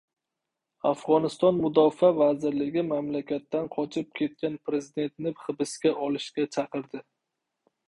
Afg‘oniston mudofaa vazirligi mamlakatdan qochib ketgan prezidentni hibsga olishga chaqirdi